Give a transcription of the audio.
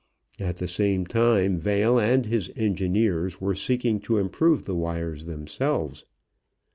At the same time Vail and his engineers were seeking to improve the wires themselves.